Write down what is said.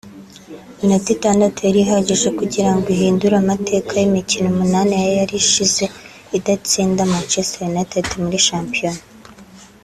Iminota itandatu yari ihagije kugira ngo ihindure amateka y’imikino umunani yari ishize idatsinda Manchester United muri shampiyona